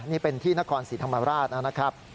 นี่เป็นที่นครศรีธรรมราชนะครับ